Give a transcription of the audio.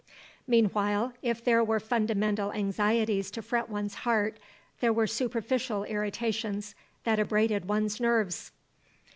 Meanwhile if there were fundamental anxieties to fret one's heart, there were superficial irritations that abraded one's nerves.